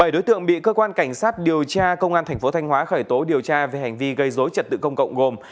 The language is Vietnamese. bảy đối tượng bị cơ quan cảnh sát điều tra công an thành phố thanh hóa khởi tố điều tra về hành vi gây dối trật tự công cộng gồm